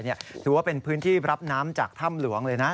ถือว่าเป็นพื้นที่รับน้ำจากถ้ำหลวงเลยนะ